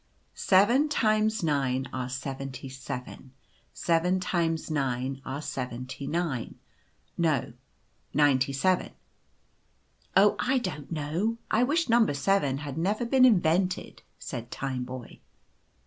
" Seven times nine are seventy seven, seven times nine are seventy nine — no ninety seven. Oh, I don't know — I wish number 7 had never been invented," said Tineboy.